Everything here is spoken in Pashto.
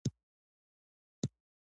افغانستان غنم واردوي.